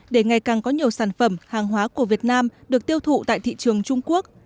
để ngày càng có nhiều sản phẩm hàng hóa của việt nam được tiêu thụ tại thị trường trung quốc